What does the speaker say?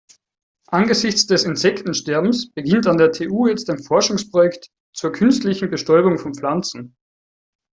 Angesichts des Insektensterbens beginnt an der TU jetzt ein Forschungsprojekt zur künstlichen Bestäubung von Pflanzen.